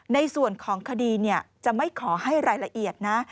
ในส่วนของคดีจะไม่ขอให้รายละเอียดนะ